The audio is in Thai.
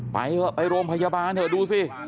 เถอะไปโรงพยาบาลเถอะดูสิ